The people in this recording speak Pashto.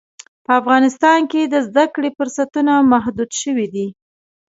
په افغانستان کې د زده کړې فرصتونه محدود شوي دي.